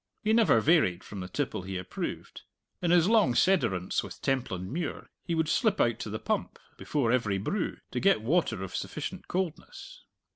He never varied from the tipple he approved. In his long sederunts with Templandmuir he would slip out to the pump, before every brew, to get water of sufficient coldness.